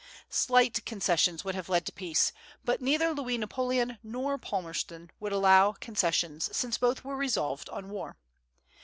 Slight concessions would have led to peace; but neither Louis Napoleon nor Palmerston would allow concessions, since both were resolved on war.